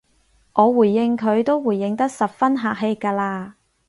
我回應佢都回應得十分客氣㗎喇